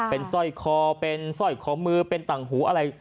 เป็นซ่อยขอเป็นซ่อยขอมือเป็นตังหูอะไร